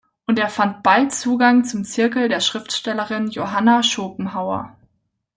Und er fand bald Zugang zum Zirkel der Schriftstellerin Johanna Schopenhauer.